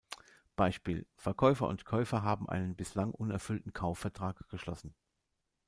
Beispiel: Verkäufer und Käufer haben einen bislang unerfüllten Kaufvertrag geschlossen.